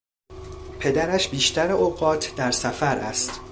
پدرش بیشتر اوقات در سفر است.